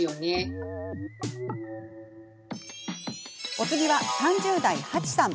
お次は、３０代、はちさん。